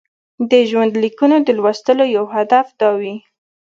د ژوندلیکونو د لوستلو یو هدف دا وي.